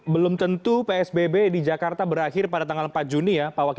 belum tentu psbb di jakarta berakhir pada tanggal empat juni ya pak wakil